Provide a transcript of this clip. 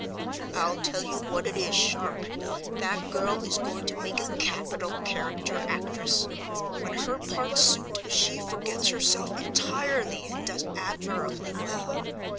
"I'll tell you what it is, Sharp, that girl is going to make a capital character actress. When her parts suit, she forgets herself entirely and does admirably well.